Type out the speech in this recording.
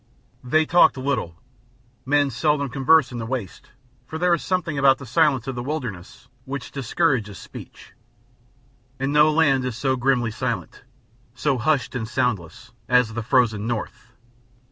They talked little; men seldom converse in the wastes, for there is something about the silence of the wilderness which discourages speech. And no land is so grimly silent, so hushed and soundless, as the frozen North.